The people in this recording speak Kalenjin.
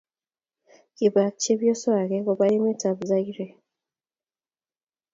kiba ak chepyoso age koba emet ab zaire